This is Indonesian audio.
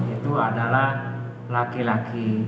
itu adalah laki laki